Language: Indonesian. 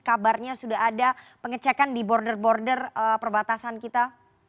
kabarnya sudah ada pengecekan di border border perbatasan kita